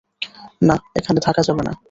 না, এখানে থাকা যাবে না।